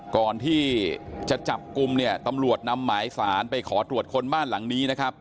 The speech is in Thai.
ก่อนที่จะจับกลุ่มเนี่ยตำรวจนำหมายสารไปขอตรวจคนบ้านหลังนี้นะครับ